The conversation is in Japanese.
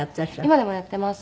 今でもやってます。